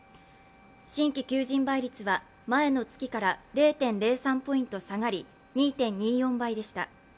新規求人倍率は前の月から０．０３ポイント下がり２．２４倍でした。